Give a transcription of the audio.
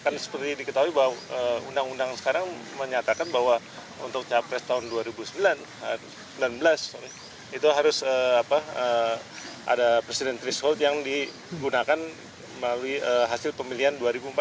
kan seperti diketahui bahwa undang undang sekarang menyatakan bahwa untuk capres tahun dua ribu sembilan belas itu harus ada presiden threshold yang digunakan melalui hasil pemilihan dua ribu empat belas